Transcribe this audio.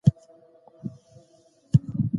دې توپیر د ادبي اثر په کره کتنه اغېز کوي.